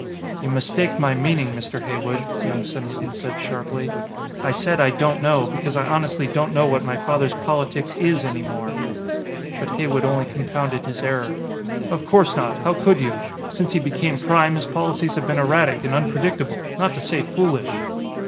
"You mistake my meaning, Mr. Heywood," young Senesin said sharply. "I said, 'I don't know' because I honestly don't know what my father's politics is any more." But Heywood only compounded his error. "Of course not. How could you? Since he became Prime, his policies have been erratic and unpredictable, not to say foolish."